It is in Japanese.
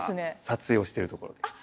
撮影をしているところです。